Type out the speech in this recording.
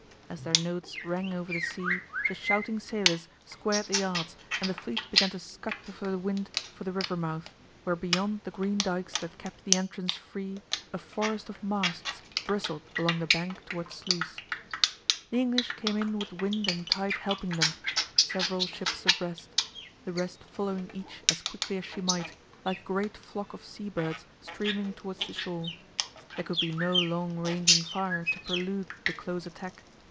As their notes rang over the sea the shouting sailors squared the yards and the fleet began to scud before the wind for the river mouth, where beyond the green dykes that kept the entrance free a forest of masts bristled along the bank towards Sluys. The English came in with wind and tide helping them, several ships abreast, the rest following each as quickly as she might, like a great flock of sea birds streaming towards the shore. There could be no long ranging fire to prelude the close attack.